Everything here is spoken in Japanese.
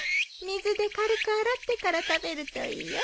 水で軽く洗ってから食べるといいよ。